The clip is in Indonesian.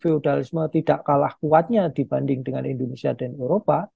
feudalisme tidak kalah kuatnya dibanding dengan indonesia dan eropa